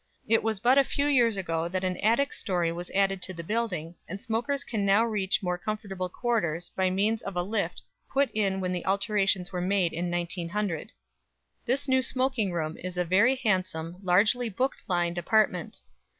It was but a few years ago that an attic story was added to the building, and smokers can now reach more comfortable quarters by means of a lift put in when the alterations were made in 1900. This new smoking room is a very handsome, largely book lined apartment.